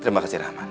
terima kasih rahman